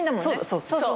そうそう。